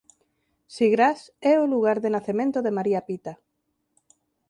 Sigrás é o lugar de nacemento de María Pita.